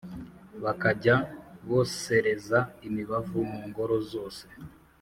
Bakajya bosereza imibavu mu ngoro zose